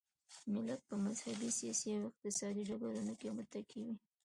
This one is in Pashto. ملت په مذهبي، سیاسي او اقتصادي ډګرونو کې متکي وي.